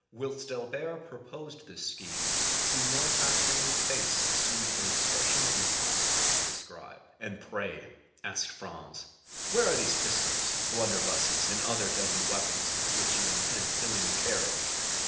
Whilst Albert proposed this scheme, Signor Pastrini's face assumed an expression impossible to describe. "And pray," asked Franz, "where are these pistols, blunderbusses, and other deadly weapons with which you intend filling the carriage?"